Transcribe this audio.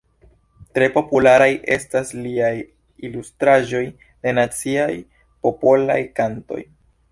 Tre popularaj estas liaj ilustraĵoj de naciaj popolaj kantoj.